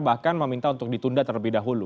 bahkan meminta untuk ditunda terlebih dahulu